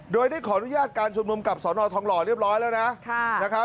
โดยได้ขออนุญาตการชุมนุมกับสนทองหล่อเรียบร้อยแล้วนะครับ